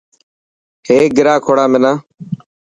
هيڪ گرا کوڙا منا.